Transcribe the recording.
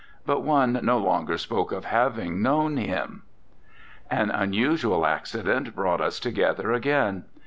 But one no longer spoke of having known him. An unusual accident brought us to gether again.